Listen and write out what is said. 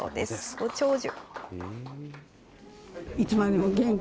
ご長寿。